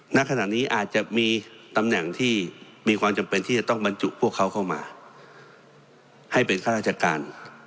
ณขณะนี้อาจจะมีตำแหน่งที่มีความจำเป็นที่จะต้องบรรจุพวกเขาเข้ามาให้เป็นข้าราชการ